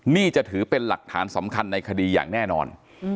นี่จะถือเป็นหลักฐานสำคัญในคดีอย่างแน่นอน